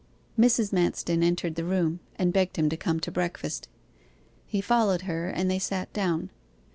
Mrs. Manston entered the room, and begged him to come to breakfast. He followed her and they sat down.